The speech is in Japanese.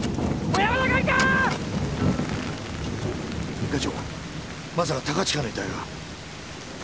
一課長まさか高近の遺体が。